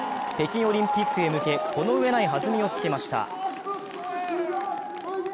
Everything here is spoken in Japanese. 北京オリンピックへ向け、この上ない弾みをつけました。